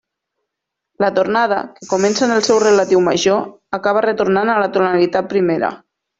La tornada, que comença en el seu relatiu major, acaba retornant a la tonalitat primera.